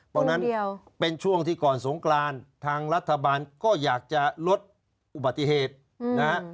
เพราะฉะนั้นเป็นช่วงที่ก่อนสงกรานทางรัฐบาลก็อยากจะลดอุบัติเหตุนะฮะ